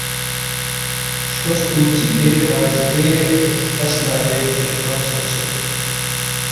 چھوسپو ژلّے کھا زدے ہلتسنارے بجود فنگ سونگسید